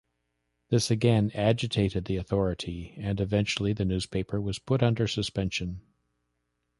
This again agitated the authority and eventually the newspaper was put under suspension.